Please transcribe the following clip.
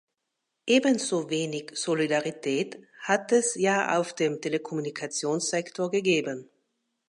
Ebenso wenig Solidarität hat es ja auf dem Telekommunikationssektor gegeben.